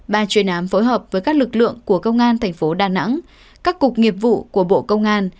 ba chuyên án phối hợp với các lực lượng của công an thành phố đà nẵng các cục nghiệp vụ của bộ công an